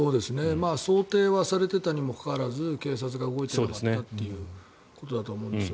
想定はされていたのにもかかわらず警察が動いていなかったということだと思います。